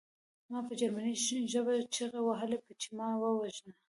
ما په جرمني ژبه چیغې وهلې چې ما ووژنه